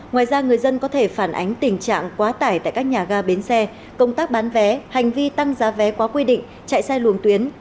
ngoài ra người dân có thể phản ánh tình trạng quá tải tại các nhà ga bến xe công tác bán vé hành vi tăng giá vé quá quy định chạy sai luồng tuyến